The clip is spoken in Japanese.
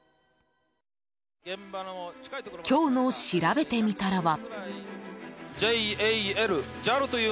今日のしらべてみたらは。